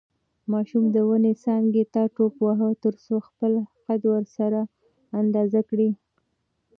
ماشوم د ونې څانګې ته ټوپ واهه ترڅو خپله قد ورسره اندازه کړي.